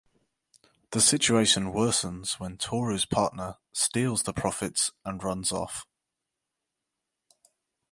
The situation worsens when Toru’s partner steals the profits and runs off.